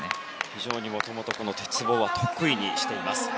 非常にもともと鉄棒は得意にしています。